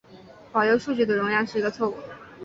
保留数据的容量是一个错误。